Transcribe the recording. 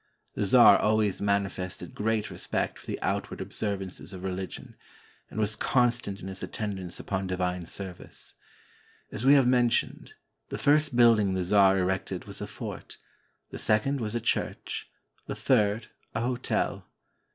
The czar always manifested great respect for the outward observances of religion, and was constant in his attendance upon divine service. As we have mentioned, the first building the czar erected was a fort, the second was a church, the third a hotel.